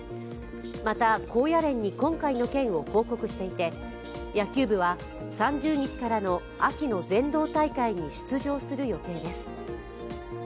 また、高野連に今回の件を報告していて、野球部は、３０日からの秋の全道大会に出場する予定です。